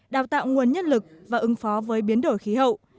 đào tạo nguồn nhân lực và ứng phó với biến đổi khí hậu